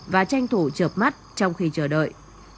và tranh thủ chợp mắt trong khi chờ đợi